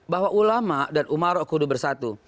bahwa ulama dan umaro bersatu